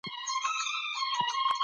کمپيوټر پروژې مديريت کوي.